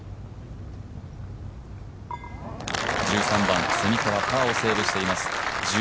１３番、蝉川パーをセーブしています。